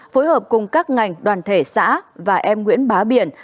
phối hợp cùng các ngành đoàn thể xã và em nguyễn bá biển